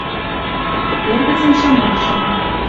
Эргӹцӹн шамакшым